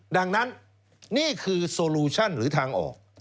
ดังนั้นนี่คือโซลูชั่นหรือทางออก